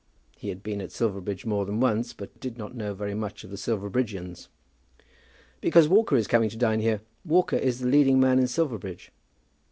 He had been at Silverbridge more than once, but did not know very much of the Silverbridgians. "Because Walker is coming to dine here. Walker is the leading man in Silverbridge."